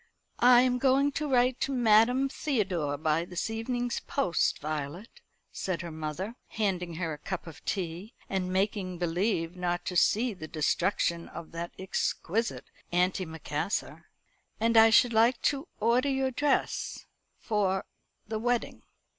"I am going to write to Madame Theodore by this evening's post, Violet," said her mother, handing her a cup of tea, and making believe not to see the destruction of that exquisite antimacassar; "and I should like to order your dress for the wedding.